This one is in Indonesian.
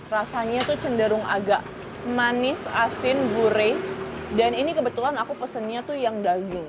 rasanya tuh cenderung agak manis asin gurih dan ini kebetulan aku pesennya tuh yang daging